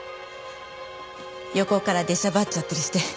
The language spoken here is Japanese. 横から出しゃばっちゃったりして。